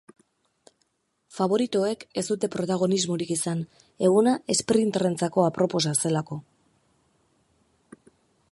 Faboritoek ez dute protagonismorik izan, eguna esprinterrentzako aproposa zelako.